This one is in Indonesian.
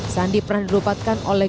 sandi pernah dirupakan oleh